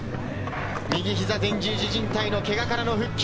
右膝前十字靭帯のけがからの復帰。